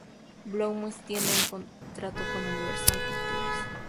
Blumhouse tiene un contrato con Universal Pictures.